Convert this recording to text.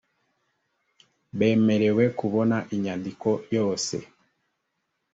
bemerewe kubona inyandiko yose